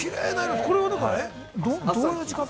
これはどういう時間帯？